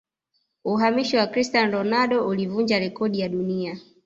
uhamisho wa cristiano ronaldo ulivunja rekodi ya duniani